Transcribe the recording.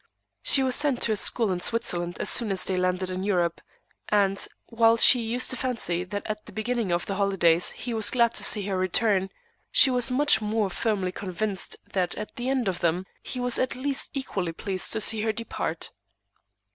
She was sent to a school in Switzerland as soon as they landed in Europe; and, while she used to fancy that at the beginning of the holidays he was glad to see her return, she was much more firmly convinced that at the end of them he was at least equally pleased to see her depart.